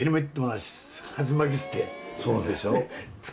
そうでしょ？